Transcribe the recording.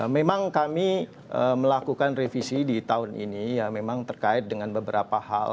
memang kami melakukan revisi di tahun ini ya memang terkait dengan beberapa hal